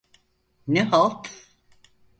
Ne halt…